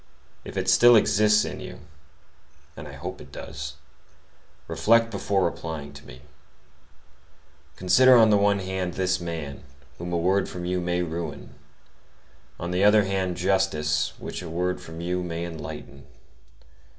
If it still exists in you,—and I hope it does,—reflect before replying to me: consider on the one hand, this man, whom a word from you may ruin; on the other hand, justice, which a word from you may enlighten.